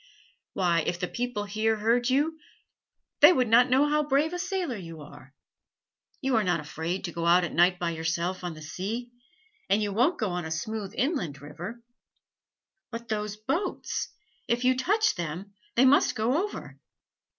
"Why, if the people here heard you they would not know how brave a sailor you are. You are not afraid to go out at night by yourself on the sea, and you won't go on a smooth inland river " "But those boats: if you touch them they must go over."